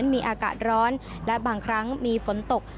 มีอากาศร้อนและบางครั้งมีฝนตก